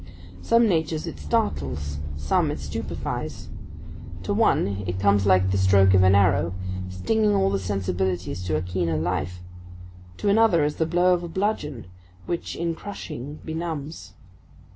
Some natures it startles; some it stupefies. To one it comes like the stroke of an arrow, stinging all the sensibilities to a keener life; to another as the blow of a bludgeon, which in crushing benumbs.